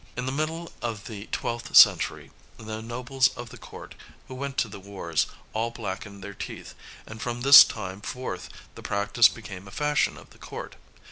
In the middle of the twelfth century, the nobles of the court, who went to the wars, all blackened their teeth; and from this time forth the practice became a fashion of the court.